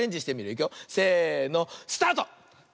せのスタート！